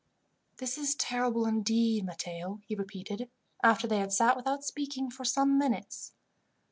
"This is terrible, indeed, Matteo," he repeated, after they had sat without speaking for some minutes.